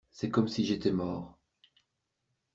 C'est comme si j'étais mort.